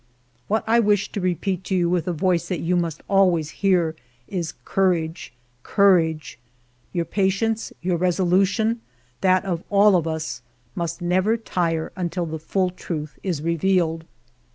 " What I wish to repeat to you with a voice that you must always hear is ' Courage, courage !* Your patience, your resolution, that of all of us, must never tire until the full truth is revealed.